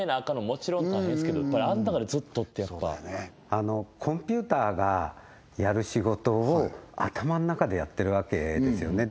もちろん大変っすけどあん中でずっとってやっぱコンピューターがやる仕事を頭ん中でやってるわけですよね